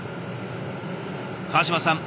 川島さん